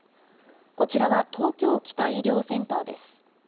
こちらは東京北医療センターです。